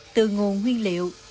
từ nguồn nguyên liệu